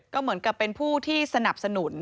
ก็เหมือนกับเป็นผู้ที่สนับสนุน